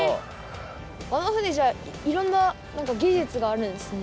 あの船じゃあいろんなぎじゅつがあるんですね。